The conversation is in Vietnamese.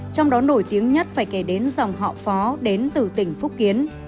trong đó nổi tiếng nhất phải kể đến dòng họ phó đến từ tỉnh phúc kiến